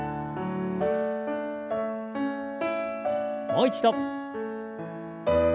もう一度。